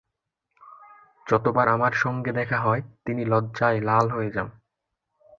যতবার আমার সঙ্গে দেখা হয় তিনি লজ্জায় লাল হয়ে যান।